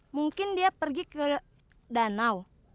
mungkin dia pergi ke danau